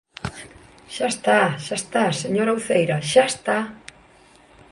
Xa está, xa está, señora Uceira, xa está.